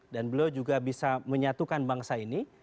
dan beliau juga bisa menyatukan bangsa ini